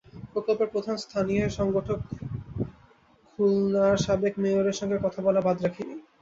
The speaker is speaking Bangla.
প্রকল্পের প্রধান স্থানীয় সংগঠক খুলনার সাবেক মেয়রের সঙ্গে কথা বলাও বাদ রাখিনি।